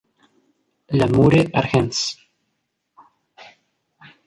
La Mure-Argens